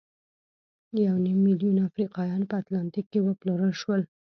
یو نیم میلیون افریقایان په اتلانتیک کې وپلورل شول.